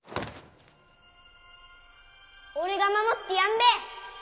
俺が守ってやんべぇ